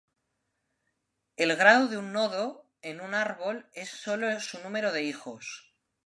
El grado de un nodo en un árbol es solo su número de hijos.